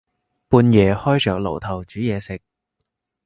半夜開着爐頭煮嘢食